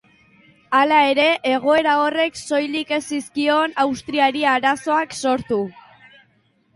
Hala ere, egoera horrek soilik ez zizkion Austriari arazoak sortu.